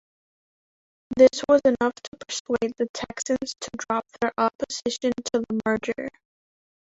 This was enough to persuade the Texans to drop their opposition to the merger.